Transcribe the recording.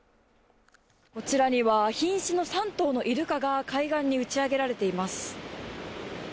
こちらには瀕死の３頭のイルカが海岸に打ち上げられています。